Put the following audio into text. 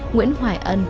nguyễn hoài ân